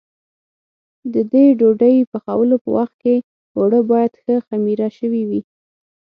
د دې ډوډۍ پخولو په وخت کې اوړه باید ښه خمېره شوي وي.